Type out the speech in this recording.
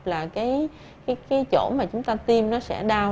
là cái chỗ mà chúng ta tiêm nó sẽ đau